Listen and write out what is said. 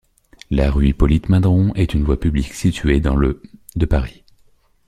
La rue Hippolyte-Maindron est une voie publique située dans le de Paris.